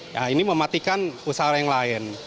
ya ini mematikan usaha yang lain